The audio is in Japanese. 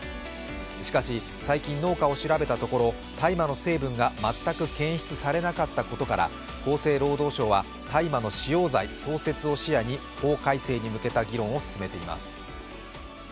しかし最近、農家を調べたところ、大麻の成分が全く検出されなかったことから厚生労働省は大麻の使用罪創設を視野に法改正に向けた議論を進めています。